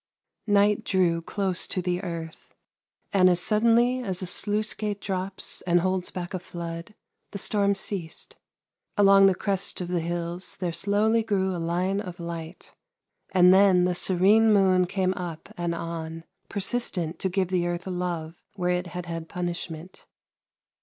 Night drew close to the earth, and as suddenly as a sluice gate drops and holds back a flood, the storm ceased. Along the crest of the hills there slowly grew a line of light, and then the serene moon came up and on, persistent to give the earth love where it had had punishment.